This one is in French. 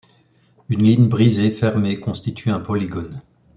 Une ligne brisée fermée constitue un polygone.